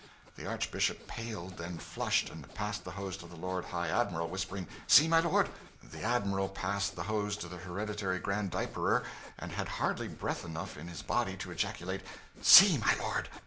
The Archbishop paled, then flushed, and passed the hose to the Lord High Admiral, whispering, "See, my lord!" The Admiral passed the hose to the Hereditary Grand Diaperer, and had hardly breath enough in his body to ejaculate, "See, my lord!"